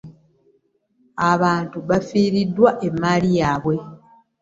Abantu bafiriidwa email yabwe.